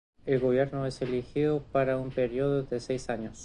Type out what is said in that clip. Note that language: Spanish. El gobierno es elegido para un periodo de seis años.